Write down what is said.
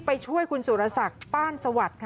ไปช่วยคุณสุรศักดิ์ป้านสวัสดิ์ค่ะ